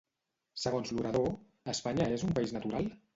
Segons l'orador, Espanya és un país natural?